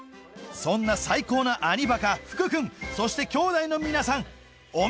そんな最高な兄バカ福くんそしてきょうだいの皆